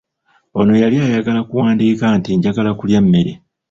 Ono yali ayagala kuwandiika nti njagala kulya mmere.